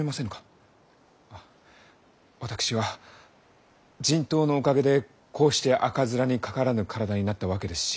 私は人痘のおかげでこうして赤面にかからぬ体になったわけですし。